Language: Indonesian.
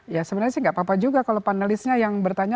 ya sebenarnya sih nggak apa apa juga kalau panelisnya yang bertanya